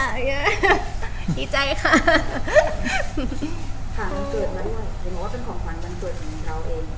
ฐานวันเกิดแล้วด้วยเป็นของปัญหาวันเกิดแบบเราเอง